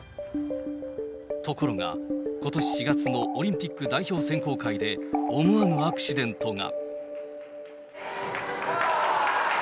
ところが、ことし４月のオリンピック代表選考会で、思わぬアクシデントが。